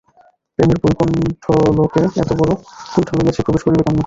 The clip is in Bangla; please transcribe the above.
প্রেমের বৈকুণ্ঠলোকে এতবড়ো কুণ্ঠা লইয়া সে প্রবেশ করিবে কেমন করিয়া।